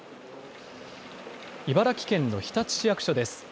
茨城県の日立市役所です。